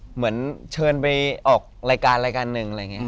เหมือนเชิญไปออกรายการรายการหนึ่งอะไรอย่างนี้